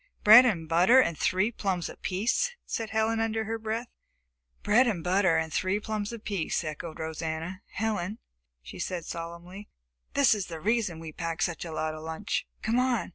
"Bread and butter and three plums apiece," said Helen under her breath. "Bread and butter and three plums apiece," echoed Rosanna. "Helen," she said solemnly, "this is the reason we packed such a lot of lunch. Come on!"